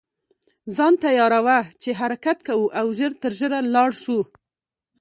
ځان تیاروه چې حرکت کوو او ژر تر ژره لاړ شو.